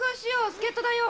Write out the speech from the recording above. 助人だよ。